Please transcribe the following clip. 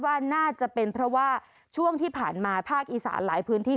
ว่าน่าจะเป็นเพราะว่าช่วงที่ผ่านมาภาคอีสานหลายพื้นที่